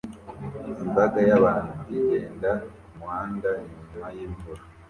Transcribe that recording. Imbaga y'abantu igenda kumuhanda nyuma yimvura